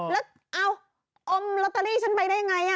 แล้วเอาลอตเตอรี่ฉันไปได้ยังไง